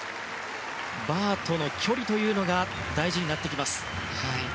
バーとの距離というのが大事になってきます。